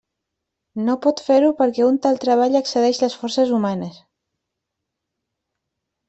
No pot fer-ho perquè un tal treball excedeix les forces humanes.